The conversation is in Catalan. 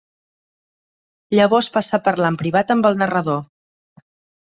Llavors passa a parlar en privat amb el narrador.